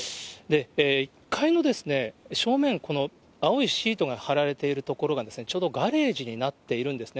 １階の正面、この青いシートが張られている所が、ちょうどガレージになっているんですね。